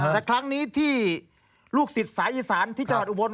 แต่ครั้งนี้ที่ลูกศิษย์สายอีสานที่จังหวัดอุบล